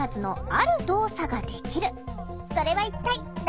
それは一体何？